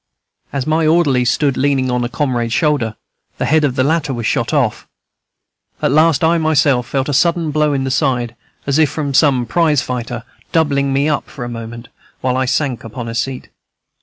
As my orderly stood leaning on a comrade's shoulder, the head of the latter was shot off. At last I myself felt a sudden blow in the side, as if from some prize fighter, doubling me up for a moment, while I sank upon a seat.